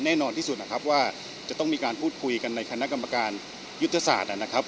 แน่นอนที่สุดนะครับว่าจะต้องมีการพูดคุยกันในคณะกรรมการยุทธศาสตร์นะครับ